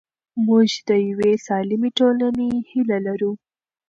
موږ د یوې سالمې ټولنې هیله لرو.